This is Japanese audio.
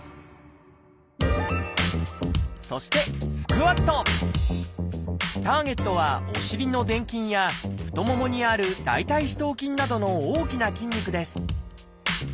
そしてターゲットはお尻の殿筋や太ももにある大腿四頭筋などの大きな筋肉です。